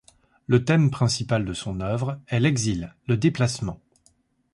Le thème principal de son œuvre est l'exil, le déplacement.